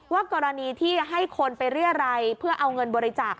กรณีที่ให้คนไปเรียรัยเพื่อเอาเงินบริจาค